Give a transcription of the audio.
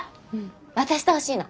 渡してほしいの。